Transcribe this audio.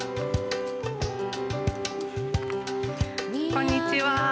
こんにちは。